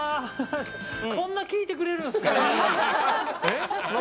こんなに聞いてくれるんですか。